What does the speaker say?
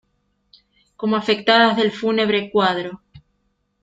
Como afectadas del fúnebre cuadro.